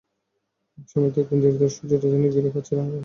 একসময় দেখবেন, ধীরে ধীরে সূর্যটা যেন গিলে খাচ্ছে রাঙা জলের সমুদ্রটি।